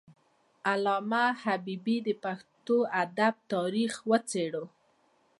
علامه حبيبي د پښتو ادب تاریخ وڅیړه.